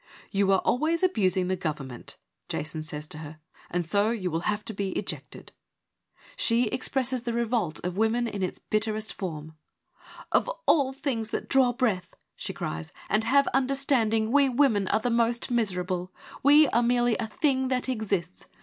' You are always abusing the gov ernment ;' Jason says to her, ' and so you will have to be ejected.' She expresses the revolt of women in its bitterest form. ' Of all things that draw breath/ she cries, ' and have understanding, we women are the most miserable ; we are merely a thing that exists.